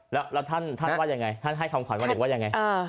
แล้วท่านว่าอย่างไรท่านให้คำขอร์มว่าอย่างไร